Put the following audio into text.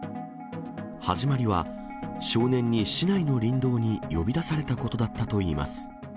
始まりは少年に市内の林道に呼び出されたことだったといいます。